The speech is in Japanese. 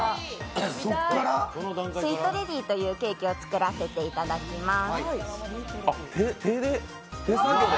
スイートレディというケーキを作っていきます。